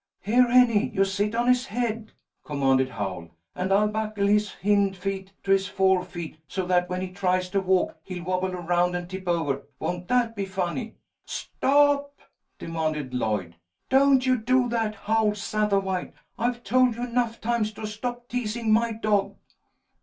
"Here, Henny, you sit on his head," commanded Howl, "and I'll buckle his hind feet to his fore feet, so that when he tries to walk he'll wabble around and tip over. Won't that be funny?" "Stop!" demanded Lloyd. "Don't you do that, Howl Sattawhite! I've told you enough times to stop teasing my dog."